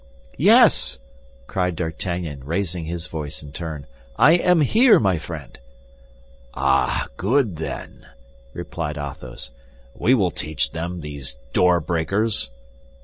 "Yes," cried D'Artagnan, raising his voice in turn, "I am here, my friend." "Ah, good, then," replied Athos, "we will teach them, these door breakers!"